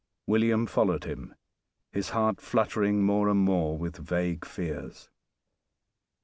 William followed him, his heart fluttering more and more with vague fears.